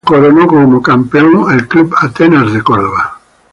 Se coronó como campeón el club Atenas de Córdoba.